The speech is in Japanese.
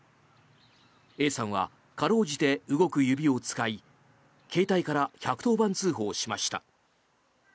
Ａさんは辛うじて動く指を使い携帯から１１０番通報しました。